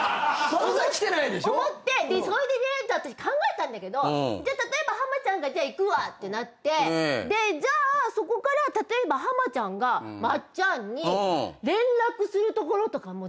思ってそれでね私考えたんだけどじゃあ例えば浜ちゃんが「行くわ」ってなってでじゃあそこから例えば浜ちゃんが松ちゃんに連絡するところとかも全然想像つかなくて。